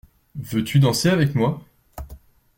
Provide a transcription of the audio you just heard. Veux-tu danser avec moi?